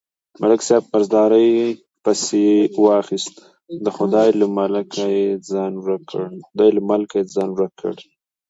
ملک صاحب قرضدارۍ پسې واخیست، د خدای له ملکه یې ځان ورک کړ.